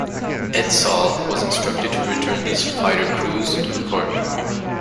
"Edsall" was instructed to return these "fighter crews" to the port.